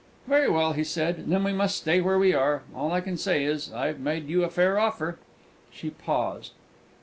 "Very well," he said, "then we must stay where we are. All I can say is, I've made you a fair offer." She paused.